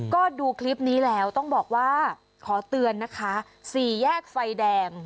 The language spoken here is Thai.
ก็ดูคลิปนี้แล้วต้องบอกว่าขอเตือนนะคะสี่แยกไฟแดง